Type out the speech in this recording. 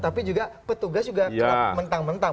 tapi juga petugas juga kerap mentang mentang